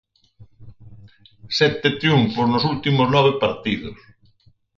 Sete triunfos nos últimos nove partidos.